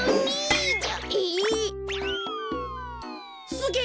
すげえ！